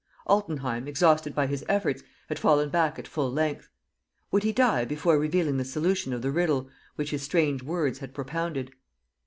Altenheim, exhausted by his efforts, had fallen back at full length. Would he die before revealing the solution of the riddle which his strange words had propounded?